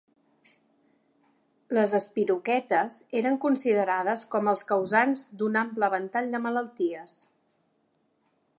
Les espiroquetes eren considerades com els causants d'un ample ventall de malalties.